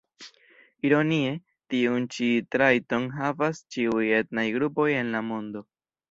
Ironie, tiun ĉi trajton havas ĉiuj etnaj grupoj en la mondo.